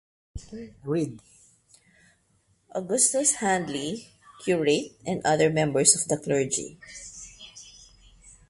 Augustus Handley (curate) and other members of the clergy.